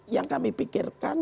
yang kami pikirkan